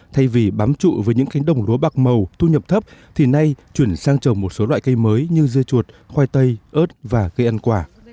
thay vì bám trụ với những cánh đồng lúa bạc màu thu nhập thấp thì nay chuyển sang trồng một số loại cây mới như dưa chuột khoai tây ớt và cây ăn quả